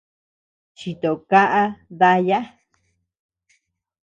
Chito kaʼa daya.